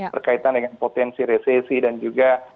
berkaitan dengan potensi resesi dan juga